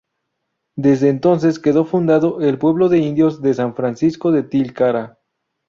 Desde entonces quedó fundado el pueblo de indios de San Francisco de Tilcara.